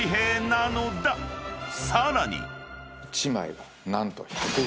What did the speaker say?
［さらに］